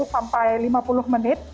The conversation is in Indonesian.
empat puluh sampai lima puluh menit